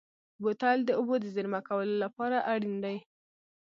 بوتل د اوبو د زېرمه کولو لپاره اړین دی.